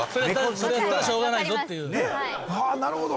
それだったらしょうがないぞっていう。はなるほど。